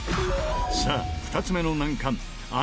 さあ２つ目の難関餡